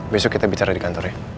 besok kita bicara di kantor ya